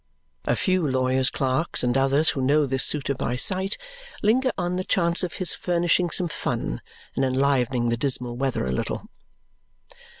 A few lawyers' clerks and others who know this suitor by sight linger on the chance of his furnishing some fun and enlivening the dismal weather a little.